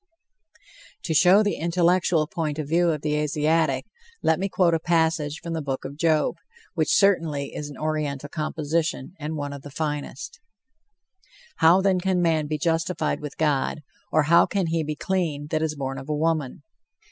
To show the intellectual point of view of the Asiatic, let me quote a passage from the Book of Job, which certainly is an Oriental composition, and one of the finest: "How, then, can man be justified with God, or how can he be clean that is born of a woman?